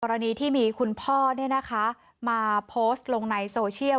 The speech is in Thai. กรณีที่มีคุณพ่อเนี่ยนะคะมาโพสต์ลงในโซเชียล